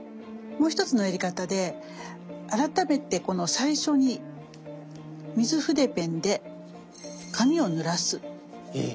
もう一つのやり方で改めてこの最初に水筆ペンで紙をぬらす。